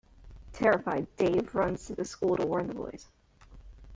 Terrified, Dave runs to the school to warn the boys.